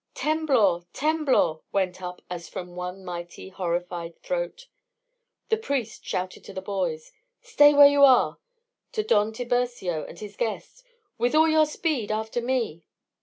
"Temblor! temblor!" went up as from one mighty horrified throat. The priest shouted to the boys: "Stay where you are;" to Don Tiburcio and his guests: "With all your speed after me."